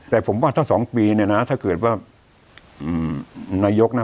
แต่ผมว่าถ้าสองปีเนี่ยนะถ้าเกิดว่านายกนะ